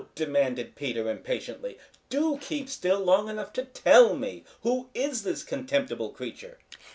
demanded Peter impatiently. "Do keep still long enough to tell me. Who is this contemptible creature?"